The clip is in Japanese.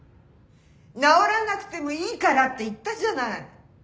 「治らなくてもいいから」って言ったじゃない！